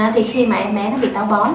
thì khi mà em bé nó bị táo bón